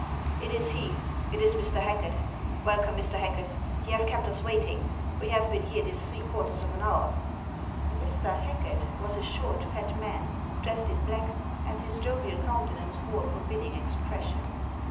" It is he ! it is Mr. Hacket ! Welcome, Mr. Hacket ; you have kept us waiting. We have been here this three quarters of an hour." " Mr. Hacket " was a short, fat man, dressed in black, and his jovial countenance wore a forbidding expression.